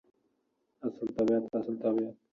Lekin kitob qilib chiqaramiz desak, chiqaramiz.